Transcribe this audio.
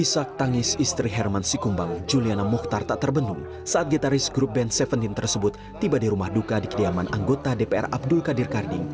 isak tangis istri herman sikumbang juliana muhtar tak terbendung saat gitaris grup band tujuh belas tersebut tiba di rumah duka di kediaman anggota dpr abdul qadir karding